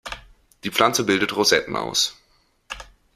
Die Pflanze bildet Rosetten aus.